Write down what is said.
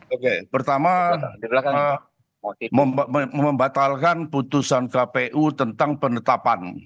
oke pertama membatalkan putusan kpu tentang penetapan